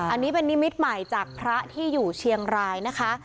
อันนี้เป็นนิมิตใหม่จากพระที่อยู่เชียงรายนะคะ